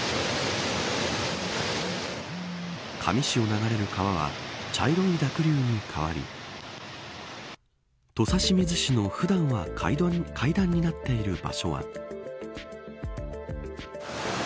香美市を流れる川は茶色い濁流に変わり土佐清水市の普段は階段になっている場所は。